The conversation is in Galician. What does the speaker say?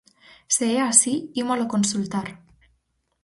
Se é así, ímolo consultar.